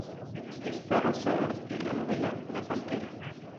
Está basada en la novela La pantera.